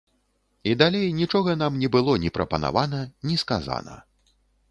І далей нічога нам не было ні прапанавана, ні сказана.